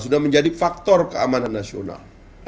sudah menjadi faktor keamanan nasional